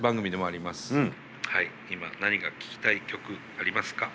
今何か聴きたい曲ありますか？